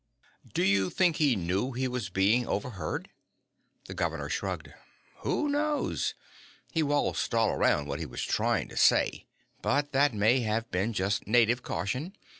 "Do you think he knew he was being overheard?" The governor shrugged. "Who knows. He waltzed all around what he was trying to say, but that may have been just native caution.